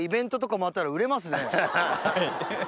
はい。